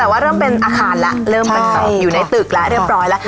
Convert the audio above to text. แต่ว่าเริ่มเป็นอาคารแล้วเริ่มเป็นอยู่ในตึกแล้วเรียบร้อยแล้ว